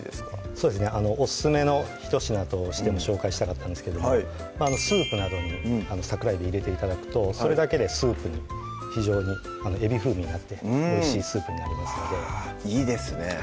そうですねおすすめのひと品としても紹介したかったんですけどもスープなどに桜えび入れて頂くとそれだけでスープに非常にえび風味になっておいしいスープになりますのでいいですね